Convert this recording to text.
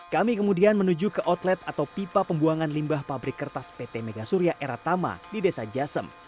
kami kemudian menuju ke outlet atau pipa pembuangan limbah pabrik kertas pt megasuria eratama di desa jasem